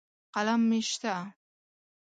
قلم مې شته.